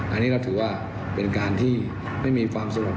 อันนี้เราถือว่าเป็นการที่ไม่มีความสนุก